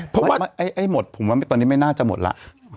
เพราะว่าไอ้หมดผมว่าตอนนี้ไม่น่าจะหมดแล้ว